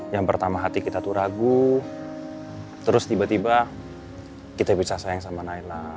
yang pertama hati kita tuh ragu terus tiba tiba kita bisa sayang sama naila